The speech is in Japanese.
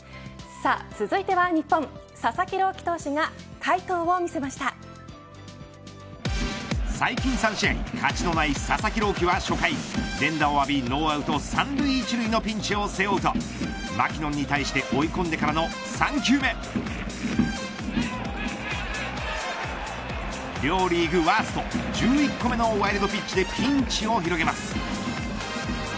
続いては日本佐々木朗希投手が最近３試合勝ちのない佐々木朗希は初回連打を浴びノーアウト三塁一塁のピンチを背負うとマキノンに対して追い込んでからの３球目両リーグワースト１１個目のワイルドピッチでピンチを広げます。